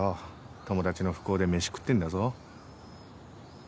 友達の不幸で飯食ってんだぞ。